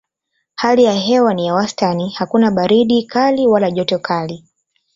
Hali ya hewa ni ya wastani hakuna baridi kali wala joto kali.